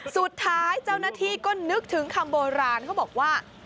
สุดท้ายเจ้าหน้าที่ก็นึกถึงคำโบราณเขาบอกว่า